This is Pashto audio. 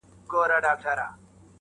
o زما گلاب زما سپرليه، ستا خبر نه راځي.